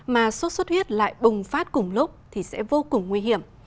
mà sốt xuất huyết lại bùng phát cùng lúc thì sẽ vô cùng nguy hiểm